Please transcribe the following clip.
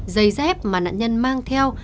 giày dép mà nạn nhân mang theo